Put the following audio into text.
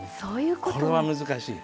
これは難しい。